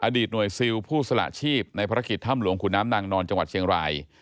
หน่วยซิลผู้สละชีพในภารกิจถ้ำหลวงขุนน้ำนางนอนจังหวัดเชียงราย